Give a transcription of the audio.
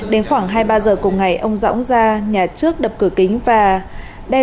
đến khoảng hai mươi ba h cùng ngày ông dõng ra nhà trước đập cửa kính và đe dọa